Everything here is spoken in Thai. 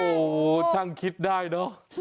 โอ้โหช่างคิดได้เนอะ